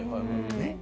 ねっ？